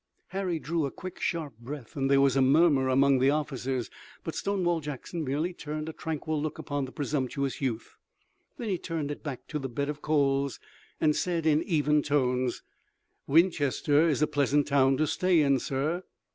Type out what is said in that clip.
Harry drew a quick, sharp breath, and there was a murmur among the officers, but Stonewall Jackson merely turned a tranquil look upon the presumptuous youth. Then he turned it back to the bed of coals and said in even tones: "Winchester is a pleasant town to stay in, sir."